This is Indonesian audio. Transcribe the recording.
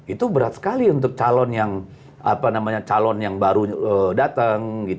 itu berat sekali untuk calon yang calon yang baru datang